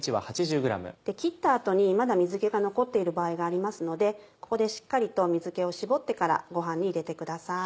切った後にまだ水気が残っている場合がありますのでここでしっかりと水気を絞ってからご飯に入れてください